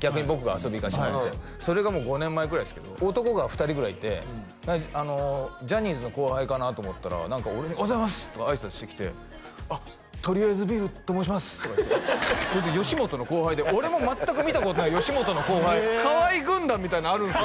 逆に僕が遊びに行かしてもらってそれがもう５年前ぐらいですけど男が２人ぐらいいてジャニーズの後輩かなと思ったら俺に「おはようございます」とかあいさつしてきて「あっトリアエズビールと申します」とか言ってそいつ吉本の後輩で俺も全く見たことない吉本の後輩河合軍団みたいなのあるんすよ